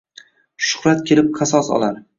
Shuhrat kelib qasos olar.